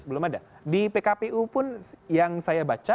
belum ada di pkpu pun yang saya baca